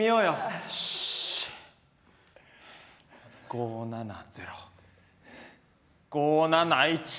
５７０５７１。